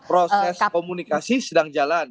proses komunikasi sedang jalan